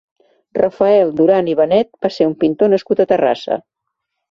Rafael Duran i Benet va ser un pintor nascut a Terrassa.